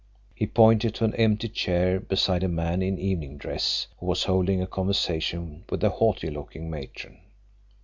He pointed to an empty chair beside a man in evening dress, who was holding a conversation with a haughty looking matron.